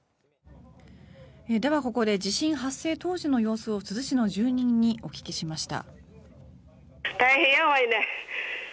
では、ここで地震発生当時の様子を珠洲市の住人にお聞きしました。